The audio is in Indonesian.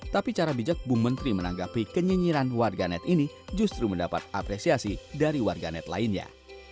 tapi cara bijak bu menteri menanggapi kenyinyiran warganet ini justru mendapat apresiasi dari warganet lainnya